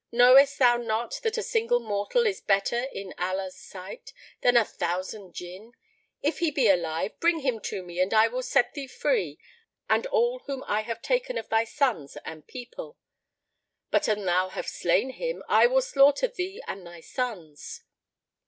Knowest thou not that a single mortal is better, in Allah's sight, than a thousand Jinn?[FN#3] If he be alive, bring him to me, and I will set thee free and all whom I have taken of thy sons and people; but an thou have slain him, I will slaughter thee and thy sons."